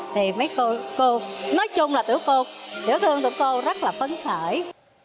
thì mấy cô nói chung là tụi cô tụi cô rất là vui